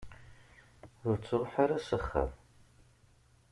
Ur ttruḥu ara s axxam.